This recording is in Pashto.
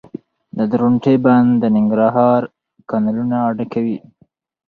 د درونټې بند د ننګرهار کانالونه ډکوي